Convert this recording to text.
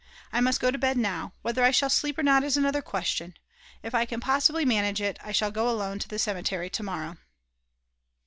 I must go to bed now; whether I shall sleep or not is another question. If I can possibly manage it, I shall go alone to the cemetery to morrow.